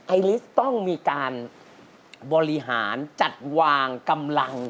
ไอลิสต้องมีการบริหารจัดวางกำลัง